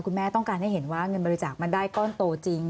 คุณแม่ต้องการให้เห็นว่าเงินบริจาคมันได้ก้อนโตจริง